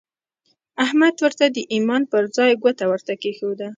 احمد ورته د ايمان پر ځای ګوته ورته کېښوده.